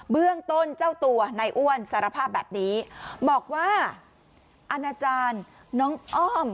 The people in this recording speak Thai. เบื้องต้นเจ้าตัวนายอ้วนสารภาพแบบนี้บอกว่าอาณาจารย์น้องอ้อม